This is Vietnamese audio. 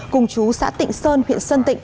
cùng chú xã tịnh sơn huyện sơn tịnh